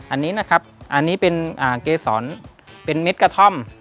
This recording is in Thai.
อันนี้เป็นเกษรเป็นเม็ดกระท่อม